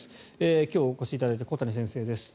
今日お越しいただいた小谷先生です。